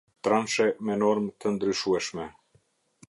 Transhe me Normë të Ndryshueshme.